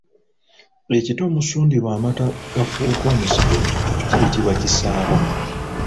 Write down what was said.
Ekita omusundirwa amata gafuuke Omuzigo kiyitibwa kisaabo.